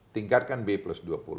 tingkatkan b plus dua puluh